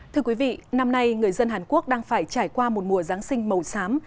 thưa quý vị năm nay người dân hàn quốc đang phải trải qua một mùa giáng sinh màu xám